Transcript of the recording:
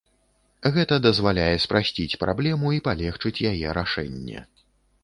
Гэта дазваляе спрасціць праблему і палегчыць яе рашэнне.